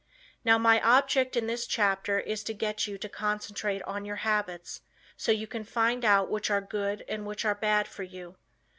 Now my object in this chapter is to get you to concentrate on your habits so you can find out which are good and which are bad for you.